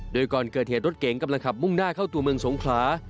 โดยก่อนเกิดเหตุรถเก๋งกำลังขับมุ่งหน้าเข้าตัวเมืองสงขลา